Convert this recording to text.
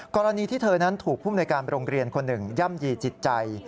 กรณีที่เธอนั้นถูกภูมิในการโรงเรียนคนหนึ่งย่ำยีจิตใจ